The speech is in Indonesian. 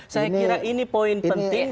saya kira ini poin penting